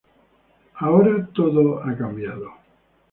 Ahora todo ha cambiado.